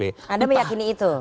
anda meyakini itu